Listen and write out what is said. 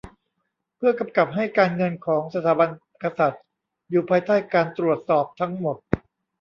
เพื่อกำกับให้การเงินของสถาบันกษัตริย์อยู่ภายใต้การตรวจสอบทั้งหมด